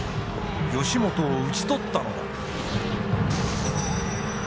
義元を討ち取ったのだ。